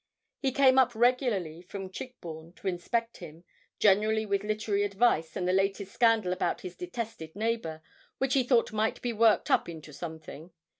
He came up regularly from Chigbourne to inspect him, generally with literary advice and the latest scandal about his detested neighbour, which he thought might be 'worked up into something.'